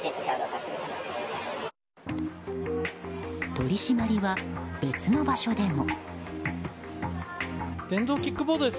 取り締まりは別の場所でも。